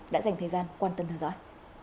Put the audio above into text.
đã dành thời gian quan tâm theo dõi